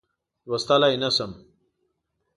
لوستلای نه شم.